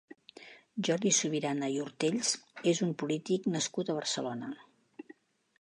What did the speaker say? Jordi Subirana i Ortells és un polític nascut a Barcelona.